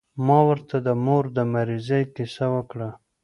ما ورته د مور د مريضۍ کيسه وکړه.